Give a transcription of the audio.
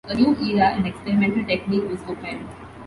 A new era in experimental technique was opened.